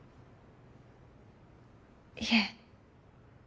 いえ。